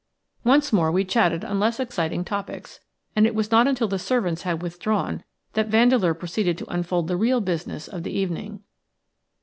Once more we chatted on less exciting topics, and it was not until the servants had withdrawn that Vandeleur proceeded to unfold the real business of the evening.